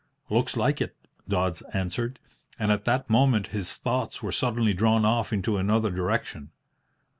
"Looks like it," Dodds answered; and at that moment his thoughts were suddenly drawn off into another direction.